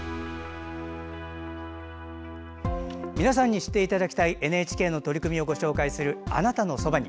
皆さんに知っていただきたいＮＨＫの取り組みをご紹介する「あなたのそばに」。